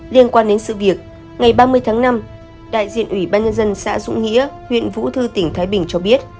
liên quan đến sự việc ngày ba mươi tháng năm đại diện ủy ban nhân dân xã dũng nghĩa huyện vũ thư tỉnh thái bình cho biết